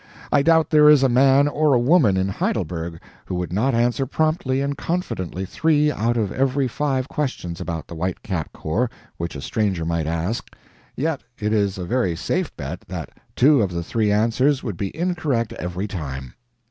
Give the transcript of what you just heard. I doubt there is a man or a woman in Heidelberg who would not answer promptly and confidently three out of every five questions about the White Cap Corps which a stranger might ask; yet it is a very safe bet that two of the three answers would be incorrect every time.